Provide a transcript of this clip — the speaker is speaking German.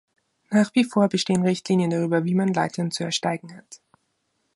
Nach wie vor bestehen Richtlinien darüber, wie man Leitern zu ersteigen hat.